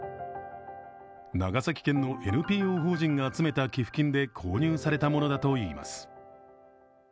長崎県のＮＰＯ法人が集めた寄付金で購入されたものだといいます。